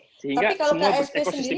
tapi kalau ksp sendiri